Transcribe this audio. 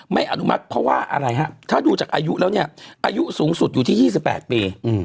อนุมัติเพราะว่าอะไรฮะถ้าดูจากอายุแล้วเนี่ยอายุสูงสุดอยู่ที่๒๘ปี